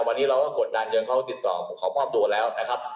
วันนี้เราก็กดดันจนเขาติดต่อขอมอบตัวแล้วนะครับ